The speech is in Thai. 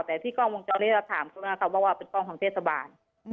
แต่ที่กล้องวงจรนี้เราถามเขานะคะเพราะว่าเป็นกล้องของเทศบาล